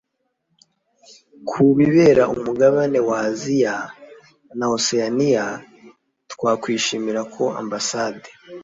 Ku bireba umugabane wa Aziya na Oseyaniya twakwishimira ko Ambasade